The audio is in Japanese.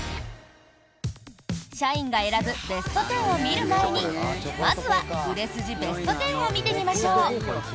社員が選ぶベスト１０を見る前にまずは売れ筋ベスト１０を見てみましょう。